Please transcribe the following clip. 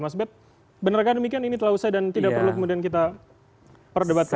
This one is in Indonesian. mas bet benarkah demikian ini telah usai dan tidak perlu kemudian kita perdebatkan